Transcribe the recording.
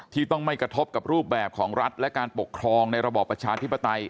ที่ต้องไม่กระทบกับรูปแบบของรัฐและการปกครองในระบอบประชาธิปไตย